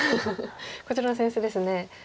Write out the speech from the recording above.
こちらの扇子ですね